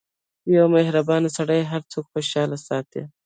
• یو مهربان سړی هر څوک خوشحال ساتي.